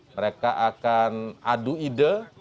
mereka akan adu ide